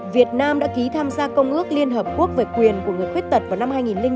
việt nam đã ký tham gia công ước liên hợp quốc về quyền của người khuyết tật vào năm hai nghìn chín